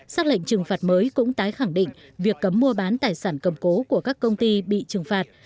xác lệnh trừng phạt mới cũng tái khẳng định việc cấm mua bán tài sản cầm cố của các công ty bị trừng phạt